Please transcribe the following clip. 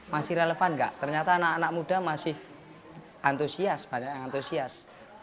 masih relevan nggak ternyata anak anak muda masih antusias banyak yang antusias